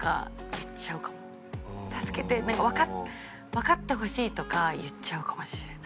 「わかってほしい」とか言っちゃうかもしれない。